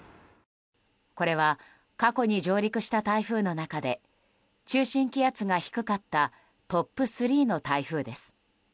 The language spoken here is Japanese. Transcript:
これは、過去に上陸した台風の中で中心気圧が低かったトップ３の台風です。